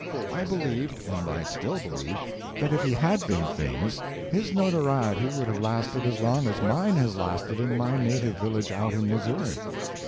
I believed, and I still believe, that if he had been famous, his notoriety would have lasted as long as mine has lasted in my native village out in Missouri.